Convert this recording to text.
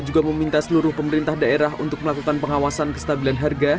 dan juga meminta seluruh pemerintah daerah untuk melakukan pengawasan kestabilan harga